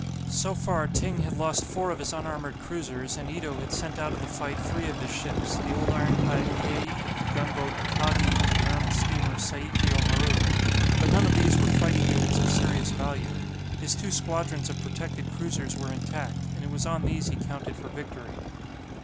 So far Ting had lost four of his unarmoured cruisers, and Ito had sent out of the fight three of his ships, the old ironclad "Hiyei," the gunboat "Akagi," and the armed steamer "Saikio Maru." But none of these were fighting units of serious value. His two squadrons of protected cruisers were intact, and it was on these he counted for victory.